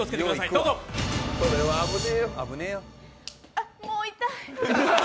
あっもう痛い。